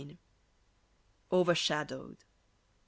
OVERSHADOWED.